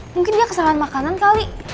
mungkin dia kesalahan makanan kali